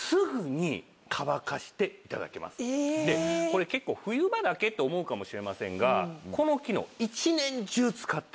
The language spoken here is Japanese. これ結構冬場だけって思うかもしれませんがこの機能。